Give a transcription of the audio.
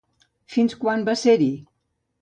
Fins quan va ser-hi?